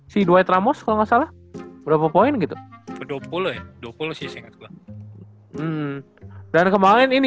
si duet ramos kalau nggak salah berapa poin gitu dua puluh ya dua puluh sih seingat gue dan kemarin ini